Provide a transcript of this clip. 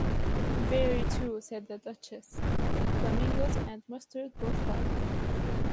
‘Very true,’ said the Duchess: ‘flamingoes and mustard both bite’.